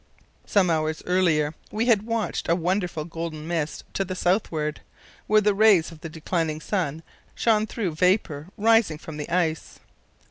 Some hours earlier we had watched a wonderful golden mist to the southward, where the rays of the declining sun shone through vapour rising from the ice.